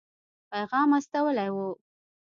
پیغام استولی وو.